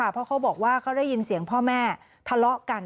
เพราะเขาบอกว่าเขาได้ยินเสียงพ่อแม่ทะเลาะกัน